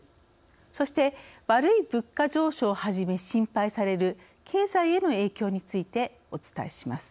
そして「悪い物価上昇」をはじめ心配される経済への影響についてお伝えします。